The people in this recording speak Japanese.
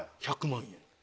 １００万円。